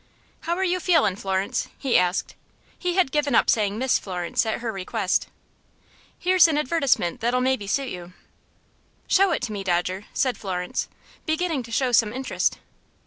"How are you feelin', Florence?" he asked; he had given up saying Miss Florence at her request. "Here's an advertisement that'll maybe suit you." "Show it to me, Dodger," said Florence, beginning to show some interest.